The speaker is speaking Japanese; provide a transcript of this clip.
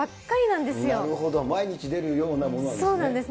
なるほど、毎日出るようなもそうなんです。